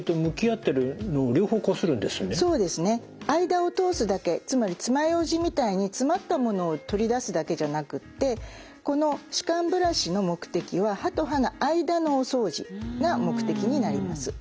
間を通すだけつまり爪ようじみたいに詰まったものを取り出すだけじゃなくってこの歯間ブラシの目的は歯と歯の間のお掃除が目的になります。